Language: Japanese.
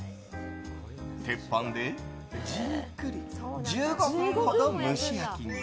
鉄板でじっくり１５分ほど蒸し焼きに。